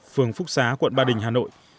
phường phúc xá quận ba đình hà nội